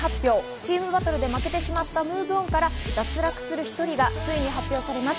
チームバトルで負けてしまったＭｏｖｅＯｎから脱落する１人がついに発表されます。